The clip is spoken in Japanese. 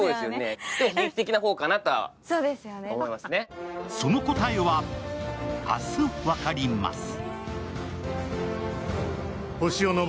最後にその答えは、明日分かります。